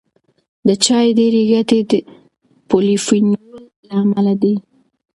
د چای ډېری ګټې د پولیفینول له امله دي.